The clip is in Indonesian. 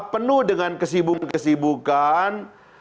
penuh dengan kesibukan kesibukan